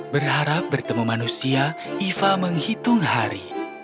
berharap bertemu manusia iva menghitung hari